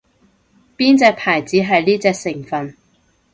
邊隻牌子係呢隻成份